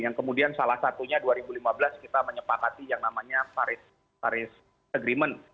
yang kemudian salah satunya dua ribu lima belas kita menyepakati yang namanya paris agreement